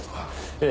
ええ。